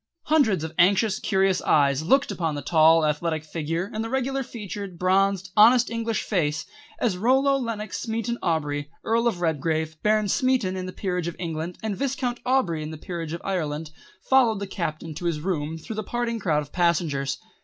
Hundreds of anxious, curious eyes looked upon the tall athletic figure and the regular featured, bronzed, honest English face as Rollo Lenox Smeaton Aubrey, Earl of Redgrave, Baron Smeaton in the Peerage of England, and Viscount Aubrey in the Peerage of Ireland, followed the Captain to his room through the parting crowd of passengers.